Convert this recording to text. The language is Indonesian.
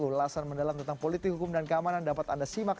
ulasan mendalam tentang politik hukum dan keamanan dapat anda simak